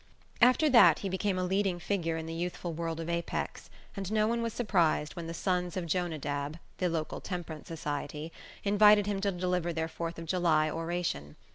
After that he became a leading figure in the youthful world of Apex, and no one was surprised when the Sons of Jonadab, (the local Temperance Society) invited him to deliver their Fourth of July oration.